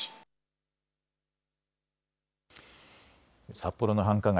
札幌の繁華街